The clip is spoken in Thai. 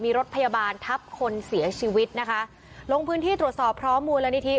มีรถพยาบาลทับคนเสียชีวิตนะคะลงพื้นที่ตรวจสอบพร้อมมูลนิธิ